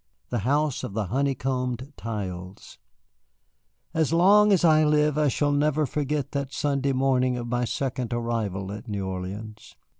THE HOUSE OF THE HONEYCOMBED TILES As long as I live I shall never forget that Sunday morning of my second arrival at New Orleans.